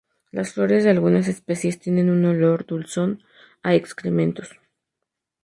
Las flores de algunas especies tienen un olor dulzón a excrementos.